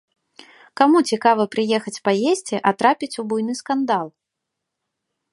Каму цікава прыехаць паесці, а трапіць у буйны скандал?